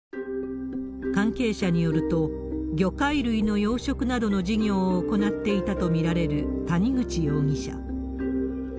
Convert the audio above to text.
関係者によると、魚介類の養殖などの事業を行っていたと見られる谷口容疑者。